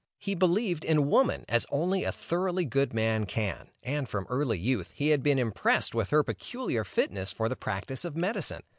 He believed in woman as only a thoroughly good man can, and from early youth, he had been impressed with her peculiar fitness for the practice of medicine.